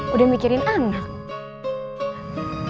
udah mikirin anak